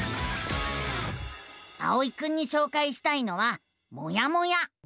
あおいくんにしょうかいしたいのは「もやモ屋」。